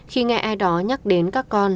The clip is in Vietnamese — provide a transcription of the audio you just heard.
khi nghe ai đó nhắc đến các con